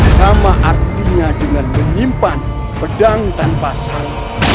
sama artinya dengan menyimpan pedang tanpa sang